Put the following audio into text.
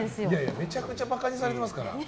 めちゃくちゃ馬鹿にされてますから。